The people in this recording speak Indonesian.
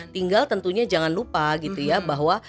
tinggal tentunya jangan lupa gitu ya bahwa